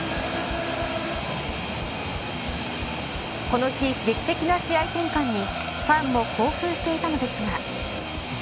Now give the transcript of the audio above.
この劇的な試合展開にファンも興奮していたのですが。